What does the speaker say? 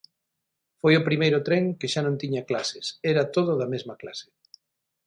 Foi o primeiro tren que xa non tiña clases, era todo da mesma clase.